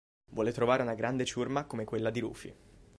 Vuole trovare una grande ciurma come quella di Rufy.